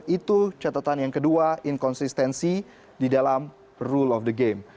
itu catatan yang kedua inkonsistensi di dalam rule of the game